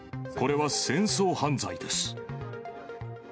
これは戦争犯罪です。